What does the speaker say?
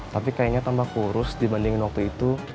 tapi kayaknya tambah kurus dibandingin waktu itu